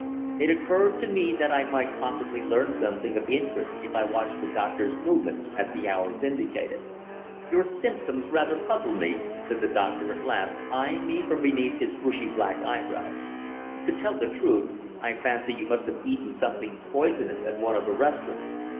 It occurred to me that I might possibly learn something of interest if I watched the doctor's movements at the hours indicated. "Your symptoms rather puzzle me," said the doctor at last, eyeing me from beneath his bushy black brows. "To tell the truth, I fancy you must have eaten something poisonous at one of the restaurants.